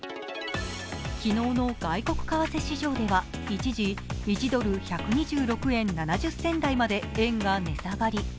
昨日の外国為替市場では一時、１ドル＝１２６円７０銭台まで円が値下がり。